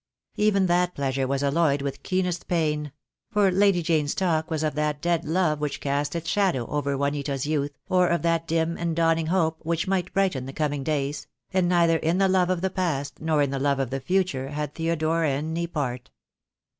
Even that pleasure was alloyed with keenest pain; for Lady Jane's talk was of that dead love which cast its shadow over Juanita's youth, or of that dim and dawning hope which might brighten the coming days — and neither in the love of the past nor in the love of the future had Theodore any part.